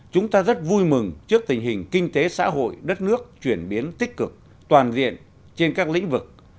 chúng ta rất vui mừng trước tình hình kinh tế xã hội đất nước chuyển biến tích cực toàn diện trên các lĩnh vực